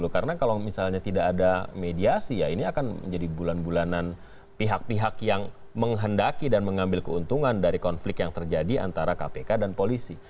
karena kalau misalnya tidak ada mediasi ya ini akan menjadi bulan bulanan pihak pihak yang menghendaki dan mengambil keuntungan dari konflik yang terjadi antara kpk dan polisi